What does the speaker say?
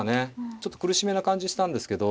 ちょっと苦しめな感じがしたんですけど。